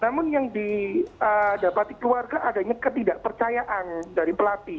namun yang didapati keluarga adanya ketidakpercayaan dari pelatih